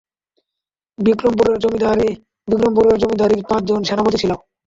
বিক্রমপুরের জমিদারীর পাঁচজন সেনাপতি ছিল।